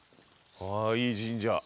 あいい神社。